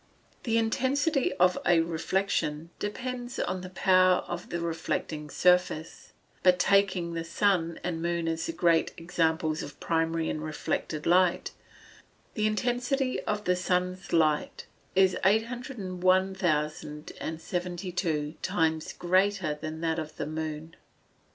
_ The intensity of a reflection depends upon the power of the reflecting surface. But, taking the sun and moon as the great examples of primary and reflected light, the intensity of the sun's light is 801,072 times greater than that of the moon.